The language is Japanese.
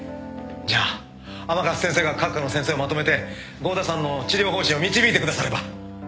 じゃあ甘春先生が各科の先生をまとめて郷田さんの治療方針を導いてくだされば。